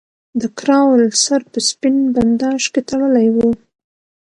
د کراول سر په سپین بنداژ کې تړلی وو.